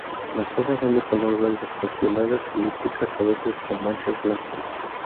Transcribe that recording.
Las hojas son de color verde, pecioladas, elípticas, a veces con manchas blancas.